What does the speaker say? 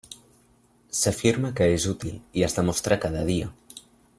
S'afirma que és útil, i es demostra cada dia.